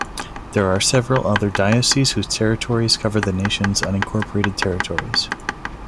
There are several other dioceses whose territories cover the Nation's unincorporated territories.